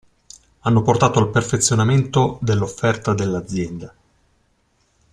Hanno portato al perfezionamento dell'offerta dell'azienda.